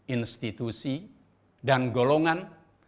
institusi dan golongan